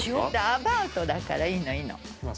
アバウトだからいいのいいの。